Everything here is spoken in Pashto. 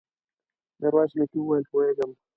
ميرويس نيکه وويل: پوهېږم.